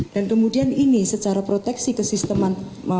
dan kemudian ini secara proteksi ke sistem mantuan